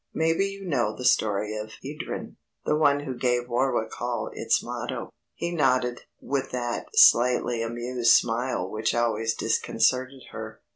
Maybe you know the story of Edryn, the one that gave Warwick Hall its motto." He nodded, with that slightly amused smile which always disconcerted her.